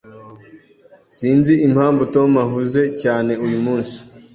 Sinzi impamvu Tom ahuze cyane uyumunsi.